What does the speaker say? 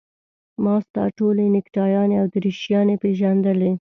ما ستا ټولې نکټایانې او دریشیانې پېژندلې.